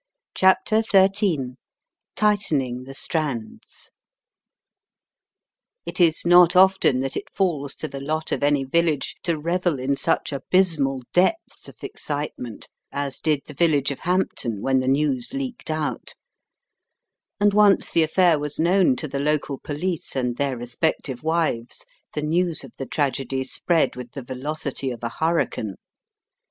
CHAPTER XIH TIGHTENING THE STRANDS IT IS not often that it falls to the lot of any village to revel in such abysmal depths of excitement as did the village of Hampton when the news leaked out, and once the affair was known to the local police and their respective wives, the news of the tragedy spread with the velocity of a hurricane.